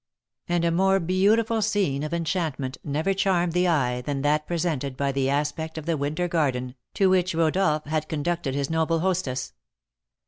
And a more beautiful scene of enchantment never charmed the eye than that presented by the aspect of the winter garden, to which Rodolph had conducted his noble hostess.